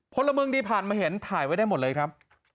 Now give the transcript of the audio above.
พลเมืองดีผ่านมาเห็นถ่ายไว้ได้หมดเลยครับ